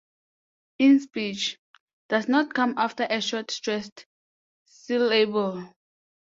In speech, does not come after a short stressed syllable.